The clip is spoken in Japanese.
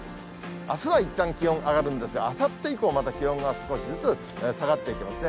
あすはいったん、気温上がるんですが、あさって以降、また気温が少しずつ下がっていきますね。